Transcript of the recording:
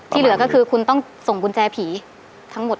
เหลือก็คือคุณต้องส่งกุญแจผีทั้งหมด